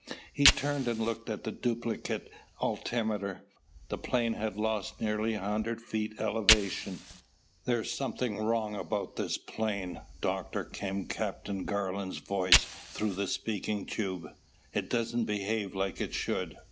He turned and looked at the duplicate altimeter. The plane had lost nearly a hundred feet elevation. "There's something wrong about this plane, Doctor," came Captain Garland's voice through the speaking tube. "It doesn't behave like it should."